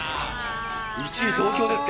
１位、東京ですか。